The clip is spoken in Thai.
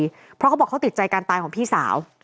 เพราะเขาบอกเขาติดใจการตายของพี่สาว